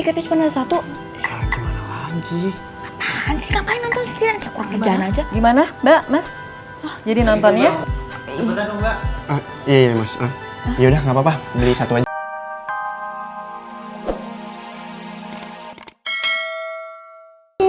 ya ya ya mas yaudah gapapa beli satu aja